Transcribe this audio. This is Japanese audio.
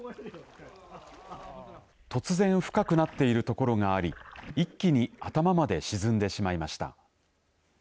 突然深くなっているところがあり一気に頭まで沈んでしまいました。